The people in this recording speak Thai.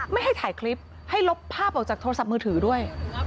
ไม่ให้ถ่ายคลิปให้ลบภาพออกจากโทรศัพท์มือถือด้วย